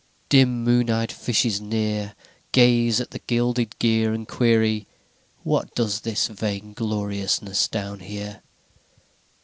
V Dim moon eyed fishes near Gaze at the gilded gear And query: "What does this vaingloriousness down here?"...